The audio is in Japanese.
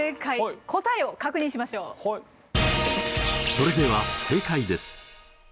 それでは正解です。